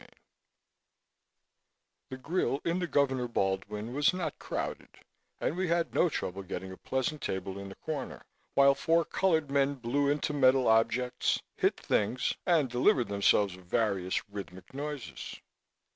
CHAPTER 25 The grill in the Governor Baldwin was not crowded and we had no trouble getting a pleasant table in the corner, while four colored men blew into metal objects, hit things and delivered themselves of various rhythmic noises.